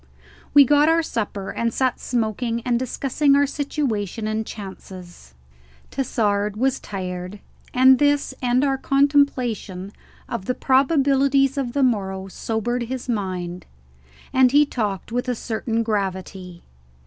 We got our supper and sat smoking and discussing our situation and chances. Tassard was tired, and this and our contemplation of the probabilities of the morrow sobered his mind, and he talked with a certain gravity.